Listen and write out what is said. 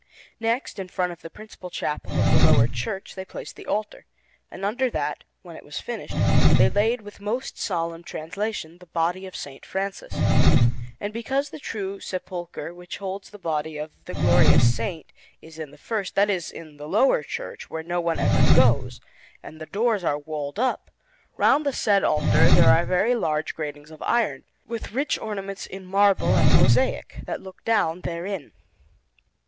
Next, in front of the principal chapel of the lower church, they placed the altar, and under that, when it was finished, they laid, with most solemn translation, the body of S. Francis. And because the true sepulchre which holds the body of the glorious Saint is in the first that is, in the lowest church where no one ever goes, and the doors are walled up, round the said altar there are very large gratings of iron, with rich ornaments in marble and mosaic, that look down therein.